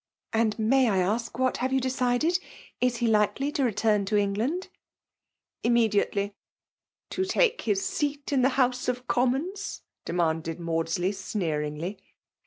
•^ Ahd may 1 ask, what have you decided ? Is he likely to return to England?'* '••^ Tttttnediately." '' To take his scat in the House of Com mons ?*' demanded Maudsley, snceringly.